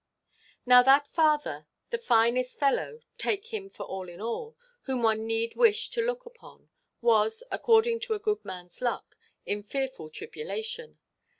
Now that father—the finest fellow, take him for all in all, whom one need wish to look upon—was (according to a good manʼs luck) in fearful tribulation.